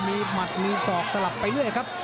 มีหมัดมีศอกสลับไปเรื่อยครับ